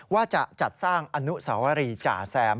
ว่าจะจัดสร้างอนุสาวรีจ่าแซม